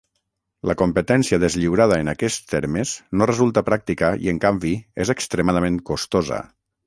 La competència deslliurada en aquests termes no resulta pràctica i en canvi és extremadament costosa.